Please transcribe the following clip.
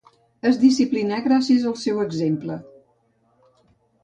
Es disciplinà gràcies al seu exemple.